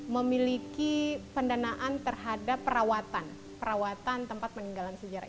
memiliki pendanaan terhadap perawatan tempat peninggalan sejarah